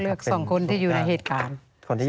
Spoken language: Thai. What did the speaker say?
๒คนที่อยู่ในเหตุการณ์